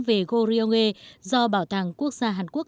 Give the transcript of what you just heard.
về goryeo e do bảo tàng quốc gia hàn quốc